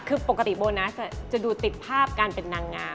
คือปกติโบนัสจะดูติดภาพการเป็นนางงาม